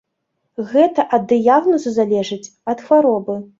Гэта ад дыягназу залежыць, ад хваробы.